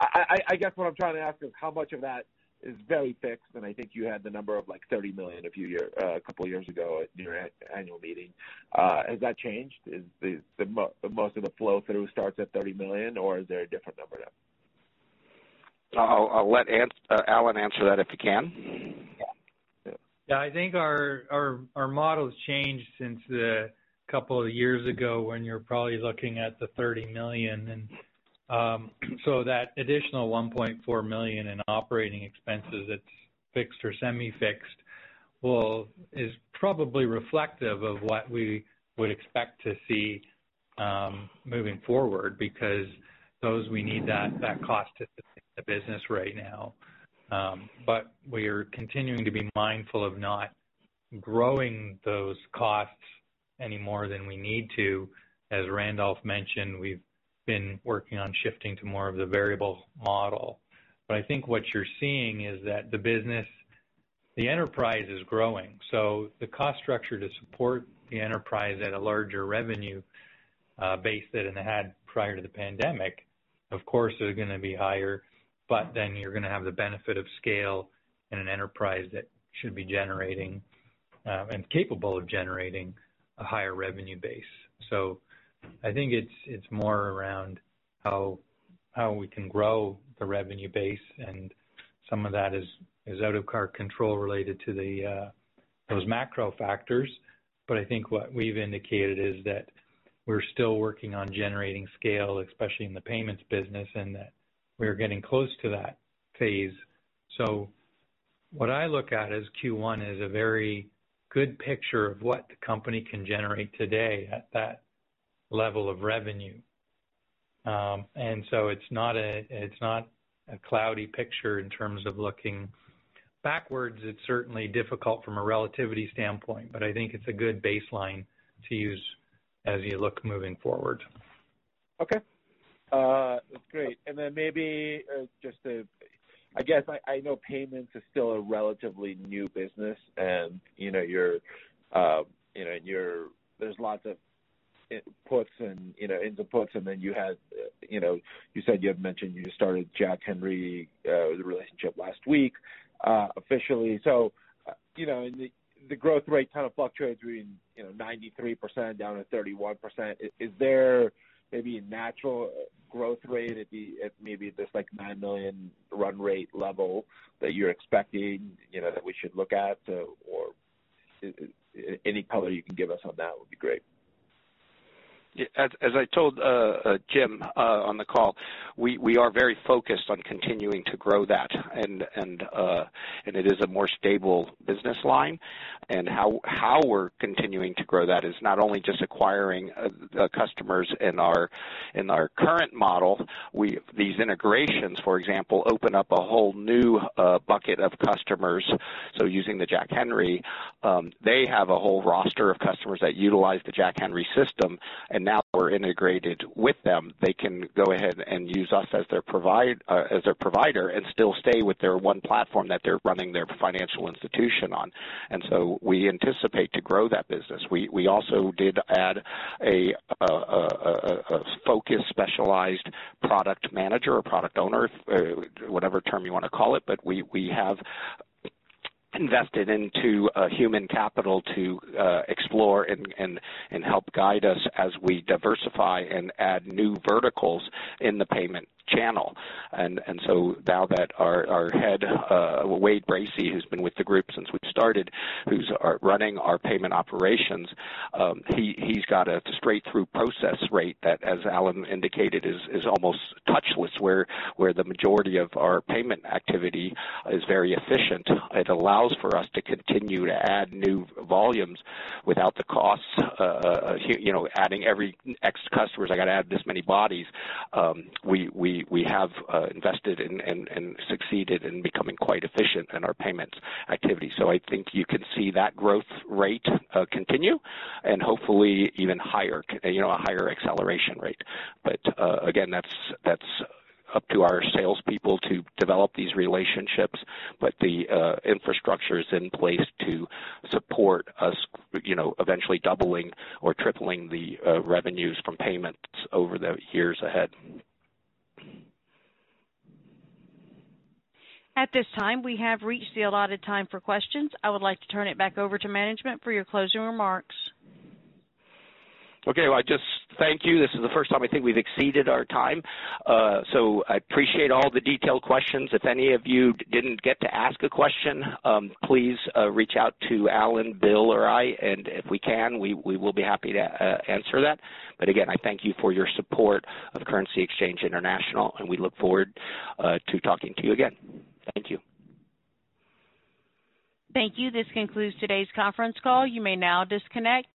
I guess what I'm trying to ask is how much of that is very fixed, and I think you had the number of like $30 million a few years ago at your annual meeting. Has that changed? Is the most of the flow through starts at $30 million or is there a different number now? I'll let Alan answer that if he can. Yeah. Yeah, I think our model's changed since a couple of years ago when you're probably looking at the $30 million. That additional $1.4 million in operating expenses that's fixed or semi-fixed is probably reflective of what we would expect to see moving forward because those we need that cost to sustain the business right now. We're continuing to be mindful of not growing those costs any more than we need to. As Randolph mentioned, we've been working on shifting to more of the variable model. I think what you're seeing is that the business, the enterprise is growing. The cost structure to support the enterprise at a larger revenue base than it had prior to the pandemic, of course, is gonna be higher, but then you're gonna have the benefit of scale in an enterprise that should be generating and capable of generating a higher revenue base. I think it's more around how we can grow the revenue base, and some of that is out of our control related to those macro factors. I think what we've indicated is that we're still working on generating scale, especially in the payments business, and that we're getting close to that phase. What I look at is Q1 is a very good picture of what the company can generate today at that level of revenue. It's not a cloudy picture in terms of looking backwards. It's certainly difficult from a relativity standpoint, but I think it's a good baseline to use as you look moving forward. Okay. That's great. Maybe just to... I guess I know payments is still a relatively new business, and you know, there are lots of inputs and, you know, in the inputs, and then you had, you know, you said you had mentioned you started the Jack Henry relationship last week officially. You know, the growth rate kind of fluctuates between, you know, 93% down to 31%. Is there maybe a natural growth rate at maybe this, like, 9 million run rate level that you're expecting, you know, that we should look at? Or any color you can give us on that would be great. Yeah. As I told Jim on the call, we are very focused on continuing to grow that. It is a more stable business line. How we're continuing to grow that is not only just acquiring customers in our current model. These integrations, for example, open up a whole new bucket of customers. Using the Jack Henry, they have a whole roster of customers that utilize the Jack Henry system, and now we're integrated with them. They can go ahead and use us as their provider and still stay with their one platform that they're running their financial institution on. We anticipate to grow that business. We also did add a focused, specialized product manager or product owner, whatever term you wanna call it. We have invested into human capital to explore and help guide us as we diversify and add new verticals in the payment channel. Now that our head, Wade Bracy, who's been with the group since we started, who's running our payment operations, he's got a straight-through process rate that, as Alan indicated, is almost touchless, where the majority of our payment activity is very efficient. It allows for us to continue to add new volumes without the costs, you know, adding every X customers, I gotta add this many bodies. We have invested and succeeded in becoming quite efficient in our payments activity. I think you can see that growth rate continue and hopefully even higher, you know, a higher acceleration rate. Again, that's up to our salespeople to develop these relationships. The infrastructure is in place to support us, you know, eventually doubling or tripling the revenues from payments over the years ahead. At this time, we have reached the allotted time for questions. I would like to turn it back over to management for your closing remarks. Okay. Well, I just thank you. This is the first time I think we've exceeded our time. So I appreciate all the detailed questions. If any of you didn't get to ask a question, please reach out to Alan, Bill, or I, and if we can, we will be happy to answer that. Again, I thank you for your support of Currency Exchange International, and we look forward to talking to you again. Thank you. Thank you. This concludes today's conference call. You may now disconnect.